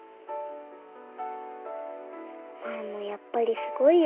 マルモやっぱりすごいよ。